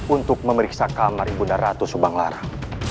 untuk memeriksaka maribunda ratu subang larang